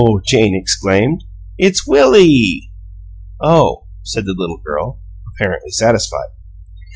Jane exclaimed. "It's WILLIE!" "Oh," said the little girl, apparently satisfied.